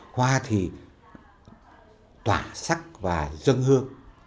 hoa thì tỏa sắc và dâng hương